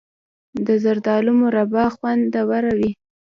د زردالو مربا خوندوره وي.